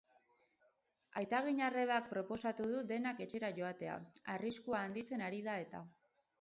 Aitaginarrebak proposatu du denak etxera joatea, arriskua handitzen ari da eta.